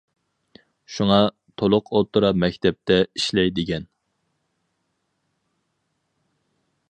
شۇڭا، تولۇق ئوتتۇرا مەكتەپتە ئىشلەي دېگەن.